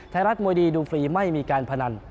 ไทยรัฐมวยดีดูฟรีไม่มีการพนัน